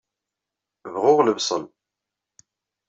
Bɣuɣ lebṣel.